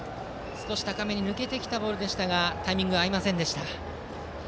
少し高めに抜けてきたボールでしたがタイミングが合いませんでした。